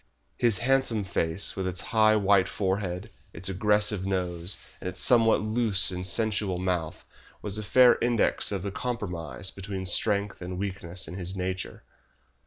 His handsome face, with its high, white forehead, its aggressive nose, and its somewhat loose and sensual mouth, was a fair index of the compromise between strength and weakness in his nature.